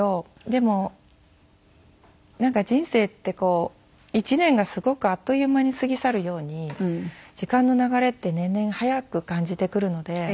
でもなんか人生ってこう１年がすごくあっという間に過ぎ去るように時間の流れって年々早く感じてくるので。